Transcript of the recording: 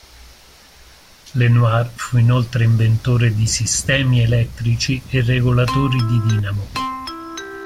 Lenoir fu inoltre inventore di sistemi elettrici e regolatori di dinamo.